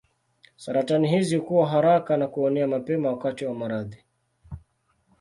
Saratani hizi hukua haraka na kuenea mapema wakati wa maradhi.